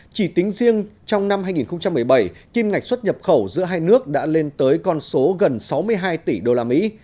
chỉ tính riêng trong năm hai nghìn một mươi bảy kim ngạch xuất nhập khẩu giữa hai nước đã lên tới con số gần sáu mươi hai tỷ đô la mỹ